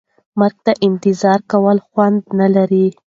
مرګ ته انتظار کول خوند نه لري.